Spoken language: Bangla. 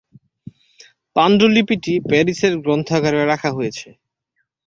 পাণ্ডুলিপিটি প্যারিসের গ্রন্থাগারে রাখা হয়েছে।